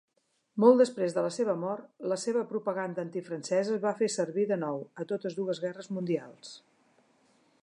Molt després de la seva mort, la seva propaganda antifrancesa es va fer servir de nou, a totes dues Guerres Mundials.